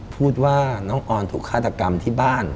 พูดว่าน้องออนถูกฆาตกรรมที่บ้าน